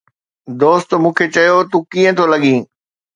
دوست مون کي چيو: ”تون ڪيئن ٿو لڳين؟